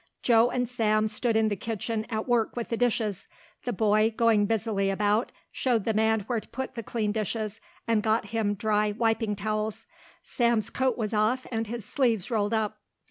Joe and Sam stood in the kitchen at work with the dishes; the boy, going busily about, showed the man where to put the clean dishes, and got him dry wiping towels. Sam's coat was off and his sleeves rolled up.